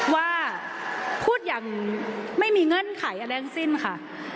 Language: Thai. ว่าพูดอย่างไม่มีเงื่อนไขอะไรทั้งสิ้นค่ะ